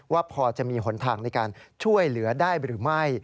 ว่าพอจะมีหนทางในการช่วยเหลือได้หรือไม่